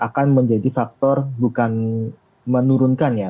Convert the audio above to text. tapi akan menjadi faktor yang menurunkan ya tapi akan menjadi faktor yang menurunkan ya